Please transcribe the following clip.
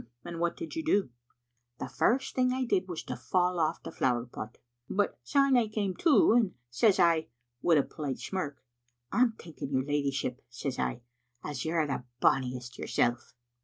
" And what did you do?" " The first thing I did was to fall aff the flower pot ; but syae I came to, and says I, wi' a polite smirk, *I'm thinking your leddyship, ' says I, *as you're the bonniest yourself.